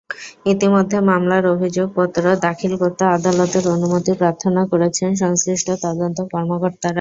ইতিমধ্যে মামলার অভিযোগপত্র দাখিল করতে আদালতের অনুমতি প্রার্থনা করেছেন সংশ্লিষ্ট তদন্ত কর্মকর্তারা।